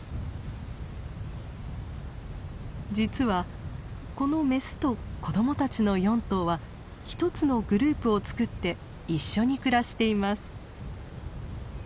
実はこのメスと子どもたちの４頭は一つのグループをつくって一緒に暮らしています。